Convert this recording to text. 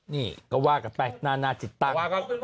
นี่ก็ว่ากันไปหน้าหน้าจิตต้อง